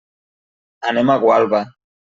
Anem a Gualba.